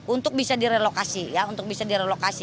untuk bisa direlokasi